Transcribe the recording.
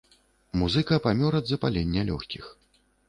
Музыка памёр ад запалення лёгкіх.